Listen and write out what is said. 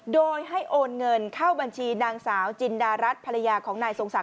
โดยให้โอนเงินเข้าบัญชีนางสาวจินดารัฐภรรยาของนายทรงศักดิ